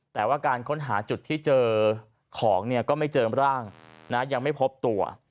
แต่ว่าการค้นหาจุดที่เผื่อมันจนไม่พบตัว